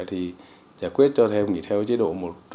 thì giải quyết cho theo nghỉ theo chế độ một trăm linh tám